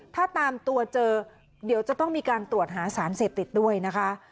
ถ้าตามตัวเจอเดี๋ยวจะต้องมีการตรวจหาสารเสพติดด้วยนะคะ